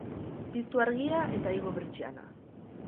Piztu argia eta igo pertsiana